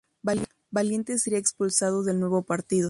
Valiente sería expulsado del nuevo partido.